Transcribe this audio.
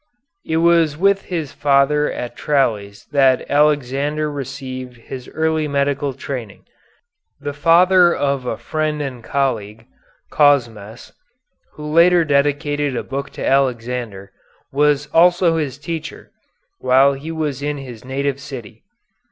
It was with his father at Tralles that Alexander received his early medical training. The father of a friend and colleague, Cosmas, who later dedicated a book to Alexander, was also his teacher, while he was in his native city.